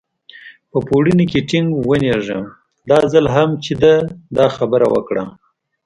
په پوړني کې ټینګ ونېژه، دا ځل هم چې ده دا خبره وکړه.